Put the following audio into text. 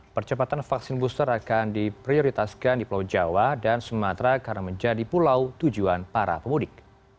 percepatan vaksin booster akan diprioritaskan di pulau jawa dan sumatera karena menjadi pulau tujuan para pemudik